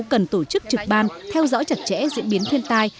cần tổ chức trực ban theo dõi chặt chẽ diễn biến thiên tai